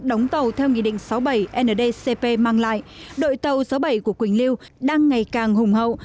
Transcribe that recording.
đóng tàu theo nghị định sáu bảy ndcp mang lại đội tàu sáu bảy của quỳnh lưu đang ngày càng hùng hậu